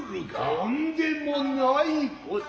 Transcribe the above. おんでもないこと。